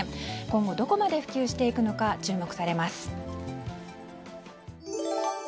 今後、どこまで普及していくのか注目されます。